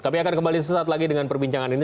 kami akan kembali sesaat lagi dengan perbincangan ini